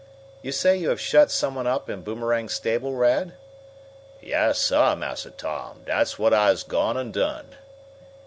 You say you have shut some one up in Boomerang's stable, Rad?" "Yes, sah, Massa Tom, dat's whut I's gone an done."